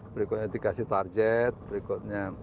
berikutnya dikasih target berikutnya